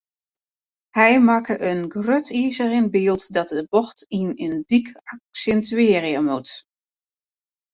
Hy makke in grut izeren byld dat de bocht yn in dyk aksintuearje moat.